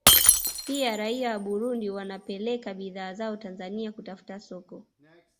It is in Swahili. Pia raia wa Burundi wanapeleka bidhaa zao Tanzania kutafuta soko